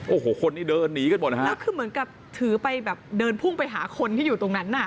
โอ้โหคนนี้เดินหนีกันหมดนะฮะแล้วคือเหมือนกับถือไปแบบเดินพุ่งไปหาคนที่อยู่ตรงนั้นน่ะ